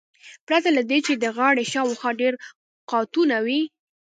پرته له دې چې د غاړې شاوخوا ډیر قاتونه وي